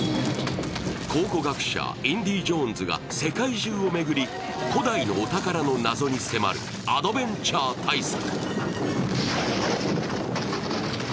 考古学者、インディ・ジョーンズが世界中を巡り、古代のお宝の謎に迫るアドベンチャー大作。